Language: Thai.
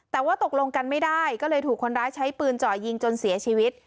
แต่ว่าตกลงกันไม่ได้ก็เลยถูกคนร้ายใช้ปืนเจาะยิงจนเสียชีวิต